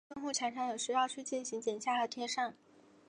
用户常常有需要去进行剪下和贴上。